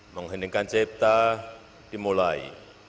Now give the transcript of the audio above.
mengheningkan cipta dimulai